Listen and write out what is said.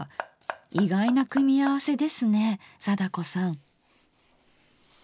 意外な組み合わせですね貞子さん？